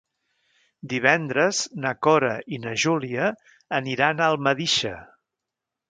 Divendres na Cora i na Júlia aniran a Almedíxer.